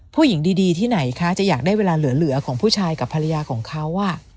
ผู้หญิงดีที่ไหนคะจะอยากได้เวลาเหลือของผู้ชายกับภรรยาของเขา